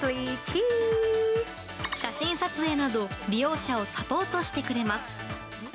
写真撮影など利用者をサポートしてくれます。